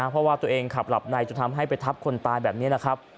เพราะว่าตัวเองขับหลับในจนทำให้ไปทับคนตายแบบนี้นะครับ